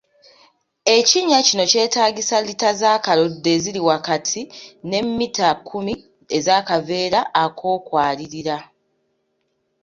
Ekinnya kino kyetaagisa liita z’akaloddo eziri wakati ne mmita kkumi ez’akaveera ak’okwalirira.